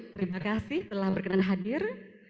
terima kasih telah berkenan hadir